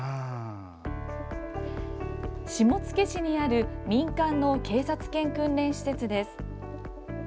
下野市にある民間の警察犬訓練施設です。